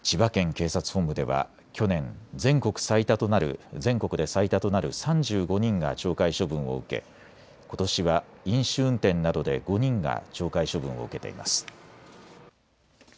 警察本部では去年、全国で最多となる３５人が懲戒処分を受け、ことしは飲酒運転などで５人が懲戒処分を受けています。